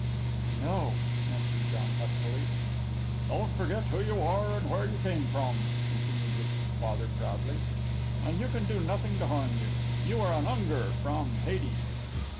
"I know," answered John huskily. "Don't forget who you are and where you come from," continued his father proudly, "and you can do nothing to harm you. You are an Unger from Hades."